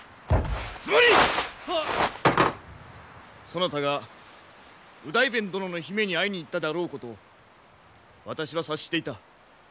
そなたが右大弁殿の姫に会いに行ったであろうこと私は察していた。